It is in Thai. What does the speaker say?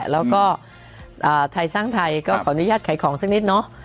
แล้วก็ไทยสร้างไทยก็ขออนุญาตขายของสักนิดเนาะ